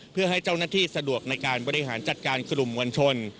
เพื่อให้เจ้าหน้าที่สะดวกในการบริหารจัดการกลุ่มมวลชน